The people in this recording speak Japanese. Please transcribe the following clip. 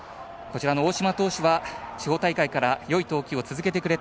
大嶋投手は地方大会からよい投球を続けてくれた。